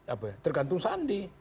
apa ya tergantung sandi